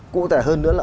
cụ thể hơn nữa là